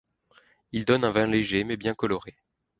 Il donne un vin léger mais bien coloré.